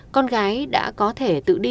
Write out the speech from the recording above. con gái đã có thể tự đi